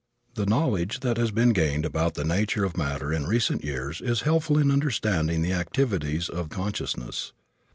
The knowledge that has been gained about the nature of matter in recent years is helpful in understanding the activities of consciousness.